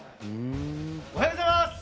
おはようございます！